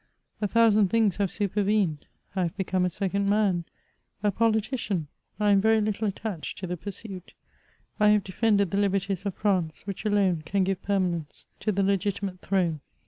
A thousand things have supervened ; I have become a second man — a politician ; I am very Uttle attached to the pursuit. I have defended the liberties of France, which alone can give permanence to the legitimate throne.